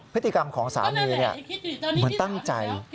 พฤติกรรมของสามีเหมือนตั้งใจ